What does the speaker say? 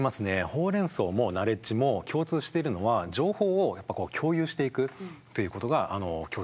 ホウ・レン・ソウもナレッジも共通しているのは情報を共有していくということが共通点となっております。